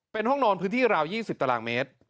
เป็นห้องนอนพื้นที่ราว๒๐ตารางเมตร